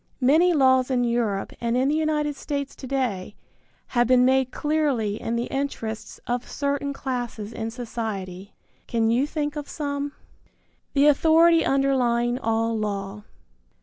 Many laws in Europe and in the United States to day have been made clearly in the interests of certain classes in society. Can you think of some? III. THE AUTHORITY UNDERLYING ALL LAW.